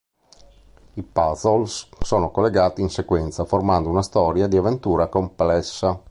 I puzzle sono collegati in sequenza, formando una storia di avventura complessa.